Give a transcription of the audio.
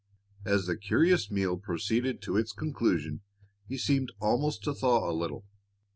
As the curious meal proceeded to its conclusion he seemed almost to thaw a little.